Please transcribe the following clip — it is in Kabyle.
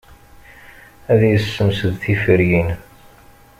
Ad yessemsed tiferyin.